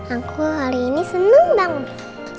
aku hari ini seneng banget